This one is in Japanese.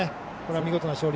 見事な勝利。